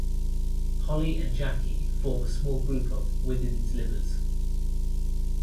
Holly and Jackie form a small group of "women's libbers".